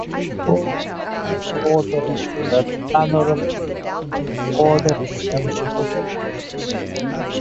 Orders: Order of the Red Banner of Labour, Order of Friendship of Peoples.